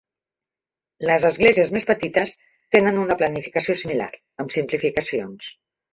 Les esglésies més petites tenen una planificació similar, amb simplificacions.